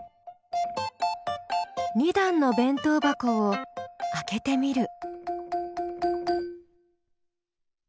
２段の弁当箱を開けてみる。